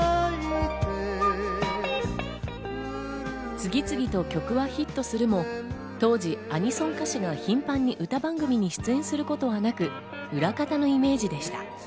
次々と曲はヒットするも、当時、アニソン歌手が頻繁に歌番組に出演することはなく、裏方のイメージでした。